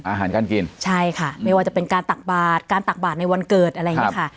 อาหารการกินใช่ค่ะไม่ว่าจะเป็นการตักบาทการตักบาทในวันเกิดอะไรอย่างเงี้ยค่ะ